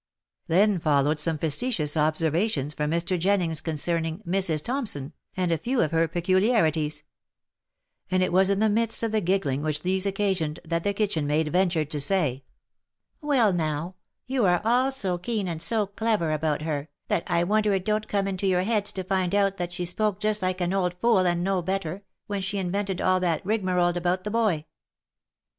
Then followed some facetious observations from Mr. Jennings concerning Mrs. Thomp son, and a few of her peculiarities ; and it was in the midst of the giggling which these occasioned, that the kitchen maid ventured to say —" Well, now, you are all so keen, and so clever about her, that I wonder it don't come into your heads to find out that she spoke just like an old fool and no better, when she invented all that rig marole about the boy.